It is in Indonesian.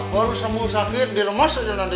baru sembuh sakit di rumah saja nanti